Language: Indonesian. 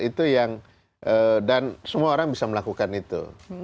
itu yang dan semua orang bisa melakukan itu